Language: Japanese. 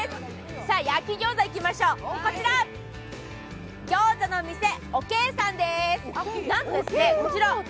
焼き餃子いきましょう、こちら餃子の店おけ以さんです。